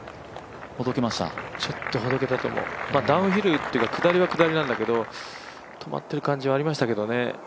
ダウンヒルというか、下りは下りなんだけど、止まってる感じはありましたけどね。